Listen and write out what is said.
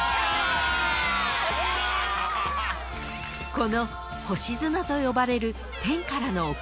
［この星砂と呼ばれる天からの贈り物］